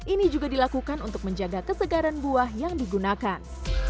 ini juga dilakukan untuk menjaga kesegaran buah yang digunakan